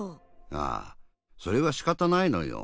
ああそれはしかたないのよ。